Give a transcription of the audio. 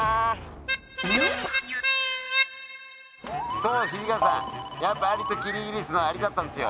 そう土方さんやっぱ『アリとキリギリス』のアリだったんですよ。